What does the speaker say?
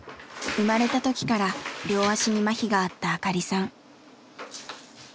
生まれた時から両足にまひがあった明香里さん。